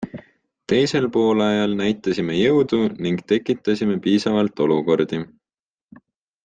Teisel poolajal näitasime jõudu ning tekitasime piisavalt olukordi.